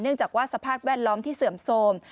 เนื่องจากว่าสภาคแวดล้อมที่เสื่อมโสม